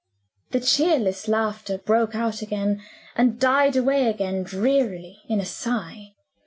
The cheerless laughter broke out again and died away again drearily in a sigh.